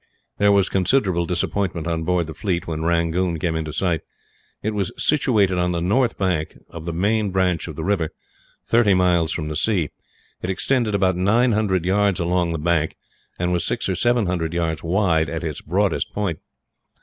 There was considerable disappointment on board the fleet, when Rangoon came into sight. It was situated on the north bank of the main branch of the river, thirty miles from the sea. It extended about nine hundred yards along the bank, and was six or seven hundred yards wide, at its broadest part.